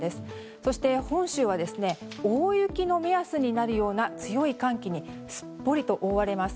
そして本州は大雪の目安になるような強い寒気にすっぽりと覆われます。